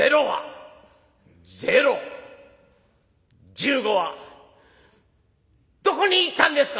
「１５はどこに行ったんですか！」。